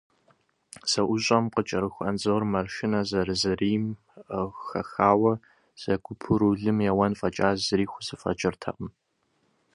ЗэӀущӀэм къыкӀэрыху Анзор, маршынэ зэрыхьэзэрийм хэхуауэ, зэгуэпу рулым еуэн фӏэкӏа зыри хузэфӀэкӀыртэкъым.